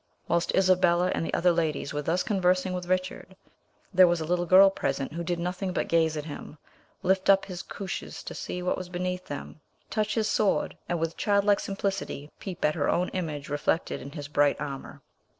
Whilst Isabella and the other ladies were thus conversing with Richard, there was a little girl present who did nothing but gaze at him, lift up his cuishes to see what was beneath them, touch his sword, and, with childlike simplicity, peep at her own image reflected in his bright armour.